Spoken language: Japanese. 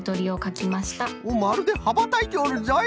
おっまるではばたいておるぞい！